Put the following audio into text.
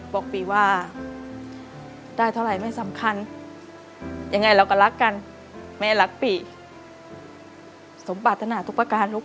บอกปีว่าได้เท่าไหร่ไม่สำคัญยังไงเราก็รักกันแม่รักปีสมปรารถนาทุกประการลูก